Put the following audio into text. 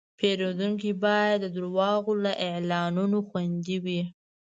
پیرودونکی باید د دروغو له اعلانونو خوندي وي.